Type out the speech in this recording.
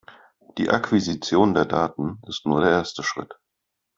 Die Akquisition der Daten ist nur der erste Schritt.